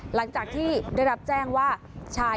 หลังจากที่ได้รับแจ้งว่าชาย